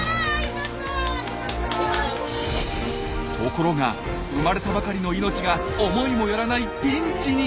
ところが生まれたばかりの命が思いも寄らないピンチに！